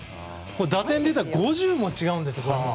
打点で言ったら５０も違うんです。